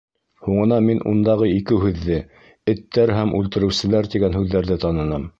Һуңынан мин ундағы ике һүҙҙе: «Эттәр һәм үлтереүселәр» тигән һүҙҙәрҙе таныным.